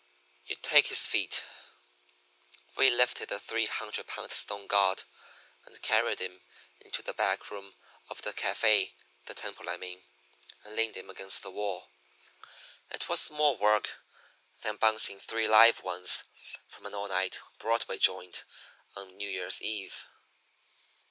You take his feet.' "We lifted the three hundred pound stone god, and carried him into the back room of the café the temple, I mean and leaned him against the wall. It was more work than bouncing three live ones from an all night Broadway joint on New Year's Eve.